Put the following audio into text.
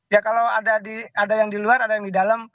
ya kalau ada yang di luar ada yang di dalam